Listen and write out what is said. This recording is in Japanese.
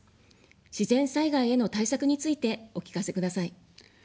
自然災害への対策についてお聞かせください。